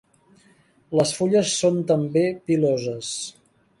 Les fulles són també piloses.